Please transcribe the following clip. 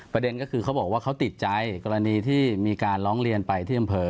ประเด็นก็คือเขาบอกว่าเขาติดใจกรณีที่มีการร้องเรียนไปที่อำเภอ